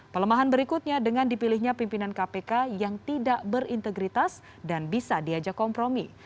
pelemahan berikutnya dengan dipilihnya pimpinan kpk yang tidak berintegritas dan bisa diajak kompromi